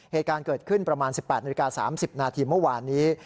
เหตุการณ์เกิดขึ้นประมาณสิบแปดนาฬิกาสามสิบนาทีเมื่อวานนี้